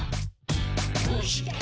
「どうして？